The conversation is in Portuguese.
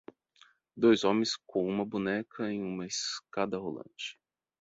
Dois homens com uma boneca em uma escada rolante.